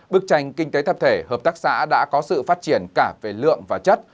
bức tranh kinh tế thập thể hợp tác xã đã có sự phát triển cả về lượng và chất